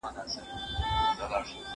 د ښار اقتصاد تر کلي پراخ دی.